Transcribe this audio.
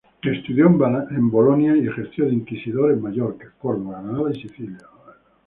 Estudió en Bolonia y ejerció de inquisidor en Mallorca, Córdoba, Granada y Sicilia.